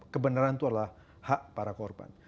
kebenaran itu adalah hak para korban